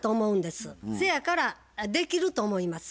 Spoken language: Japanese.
そやからできると思います。